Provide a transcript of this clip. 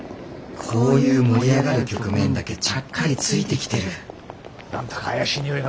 こういう盛り上がる局面だけちゃっかりついてきてる何だか怪しいにおいがプンプンするな。